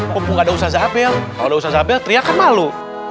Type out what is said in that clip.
mumpung ada ustaz abel kalau ada ustaz abel teriak kan malu